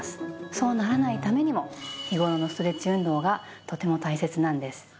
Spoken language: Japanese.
そうならないためにも日頃のストレッチ運動がとても大切なんです。